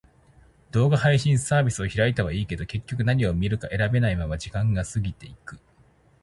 動画配信サービスを開いたはいいけど、結局何を見るか選べないまま時間が過ぎていく。